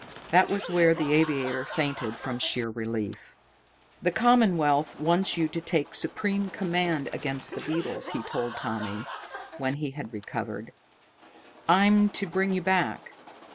That was where the aviator fainted from sheer relief. "The Commonwealth wants you to take supreme command against the beetles," he told Tommy, when he had recovered. "I'm to bring you back.